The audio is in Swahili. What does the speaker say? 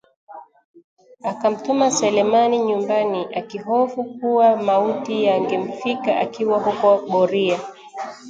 Akamtuma Selemani nyumbani akihofu kuwa mauti yangemfika akiwa huko Boria